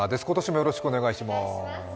今年もよろしくお願いします。